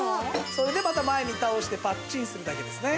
それでまた前に倒してパッチンするだけですね。